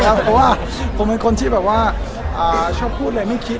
เพราะว่าผมเป็นคนที่ชอบพูดแล้วไม่คิด